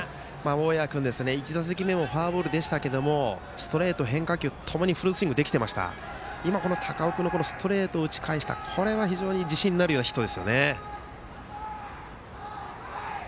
大矢君、１打席目はフォアボールでしたけどストレート、変化球共にフルスイングできていて高尾君のストレートを打ち返したこれは非常に自信になるようなヒットです。